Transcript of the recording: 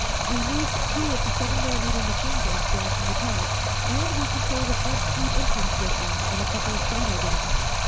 We moved two of the 7 mm machine guns down from the top, and we control the front street entrance with them and a couple of sono guns.